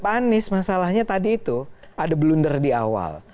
pak anies masalahnya tadi itu ada blunder di awal